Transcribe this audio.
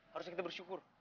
harusnya kita bersyukur